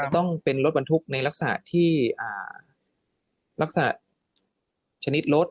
ต้องเป็นรถบรรทุกในรักษะรักษาชนิดรถ